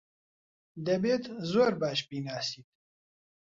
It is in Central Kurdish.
دەبێت زۆر باش بیناسیت.